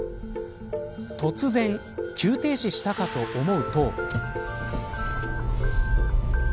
突然、急停止したかと思うと。